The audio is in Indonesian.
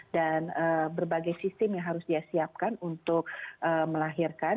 dan berbagai sistem yang harus dia siapkan untuk melahirkan